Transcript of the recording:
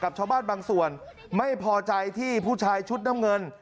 ชาวบ้านบางส่วนไม่พอใจที่ผู้ชายชุดน้ำเงิน